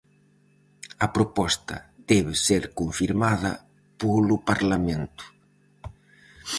A proposta debe ser confirmada polo Parlamento.